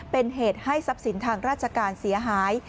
เป็นเหตุให้ทรัพย์สินทางราชการเสียหาย